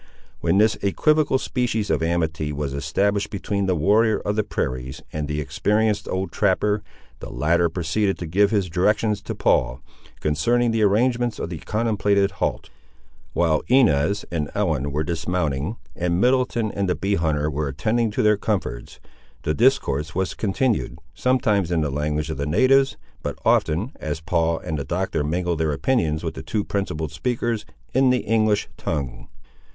When this equivocal species of amity was established between the warrior of the prairies and the experienced old trapper, the latter proceeded to give his directions to Paul, concerning the arrangements of the contemplated halt. While Inez and Ellen were dismounting, and Middleton and the bee hunter were attending to their comforts, the discourse was continued, sometimes in the language of the natives, but often, as Paul and the Doctor mingled their opinions with the two principal speakers, in the English tongue.